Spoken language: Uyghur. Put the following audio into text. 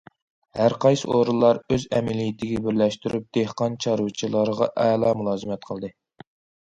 ھەرقايسى ئورۇنلار ئۆز ئەمەلىيىتىگە بىرلەشتۈرۈپ، دېھقان- چارۋىچىلارغا ئەلا مۇلازىمەت قىلدى.